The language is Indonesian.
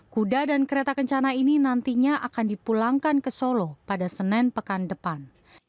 kuda dan kereta kencana ini nantinya akan dipulangkan ke solo pada senin pekan depan